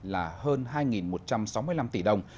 là hơn hai một trăm sáu mươi năm tỷ đồng